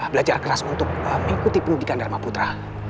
belajar keras untuk mengikuti pendidikan dharma putra